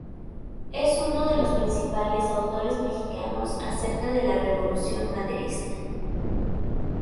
Es uno de los principales autores mexicanos acerca de la Revolución maderista.